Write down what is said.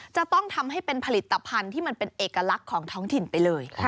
จะต้องทำให้เป็นผลิตภัณฑ์ที่มันเป็นเอกลักษณ์ของท้องถิ่นไปเลย